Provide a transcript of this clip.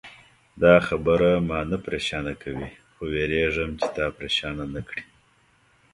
دا خبره ما نه پرېشانه کوي، خو وېرېږم چې تا پرېشانه نه کړي.